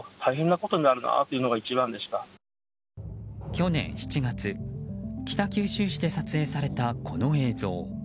去年７月北九州市で撮影されたこの映像。